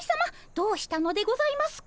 どうしたのでございますか？